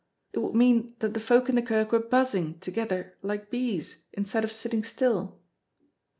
It would mean that the folk in the kirk were buzzing thegither like bees, instead of sitting still."